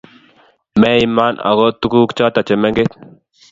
Meiman ago tuguk choto chemengech